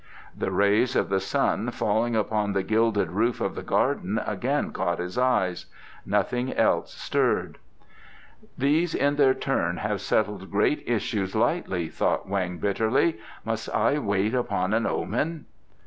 The rays of the sun falling upon the gilded roof in the garden again caught his eyes; nothing else stirred. "These in their turn have settled great issues lightly," thought Weng bitterly. "Must I wait upon an omen?" "...